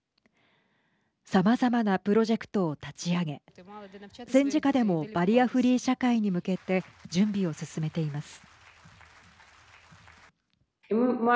さまざまなプロジェクトを立ち上げ戦時下でもバリアフリー社会に向けて準備を進めています。